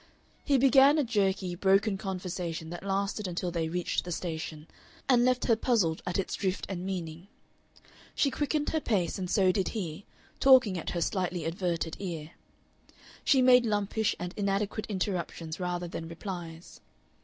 He began a jerky, broken conversation that lasted until they reached the station, and left her puzzled at its drift and meaning. She quickened her pace, and so did he, talking at her slightly averted ear. She made lumpish and inadequate interruptions rather than replies.